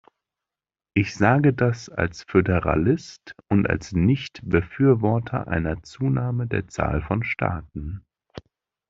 Ich sage das als Föderalist und als Nichtbefürworter einer Zunahme der Zahl von Staaten.